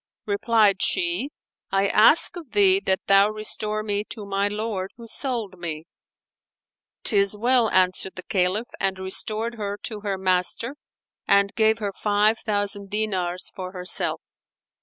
Replied she, "I ask of thee that thou restore me to my lord who sold me." "'Tis well," answered the Caliph and restored her to her master and gave her five thousand dinars for herself.